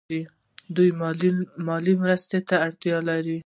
دوی مالي مرستې ته اړتیا لري.